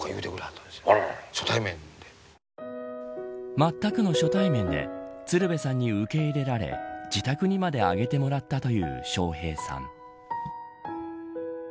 まったくの初対面で鶴瓶さんに受け入れられ自宅にまで上げてもらったという笑瓶さん。